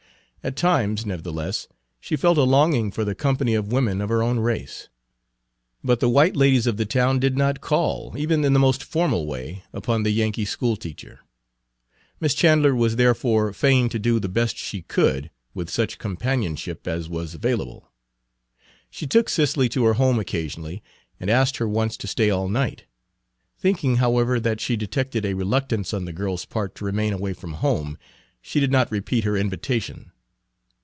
At times, nevertheless, she felt a longing for the company of women of her own race; but the white ladies of the town did not call, even in the most formal way, upon the Yankee school teacher. Miss Chandler was therefore fain to do the best she could with such companionship as was available. She took Cicely to her home occasionally, and asked her once to stay all night. Thinking, however, that she detected a reluctance on the girl's part to remain away from home, she did not repeat her invitation.